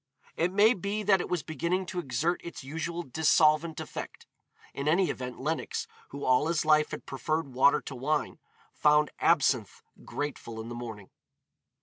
It may be that it was beginning to exert its usual dissolvent effect. In any event Lenox, who all his life had preferred water to wine, found absinthe grateful in the morning.